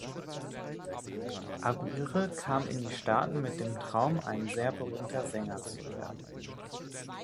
Aguirre kam in die Staaten mit dem Traum, ein sehr berühmter Sänger zu werden.